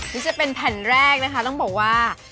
นี่จะเป็นแผ่นแรกนะคะต้องบอกว่า